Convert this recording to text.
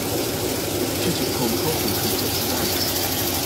She took home trophies from six events.